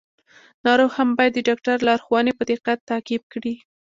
ناروغ هم باید د ډاکټر لارښوونې په دقت تعقیب کړي.